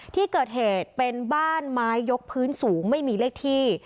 ที่เกิดเหตุเป็นบ้านไม้ยกพื้นสูงไม่มีเลขที่